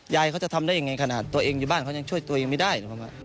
ยายเขาจะทำได้ยังไงขนาดตัวเองอยู่บ้านเขายังช่วยตัวเองไม่ได้หรือประมาณ